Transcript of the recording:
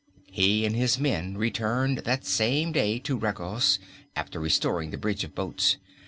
He and his men returned that same day to Regos, after restoring the bridge of boats.